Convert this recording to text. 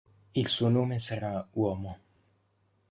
Il suo nome sarà Uomo.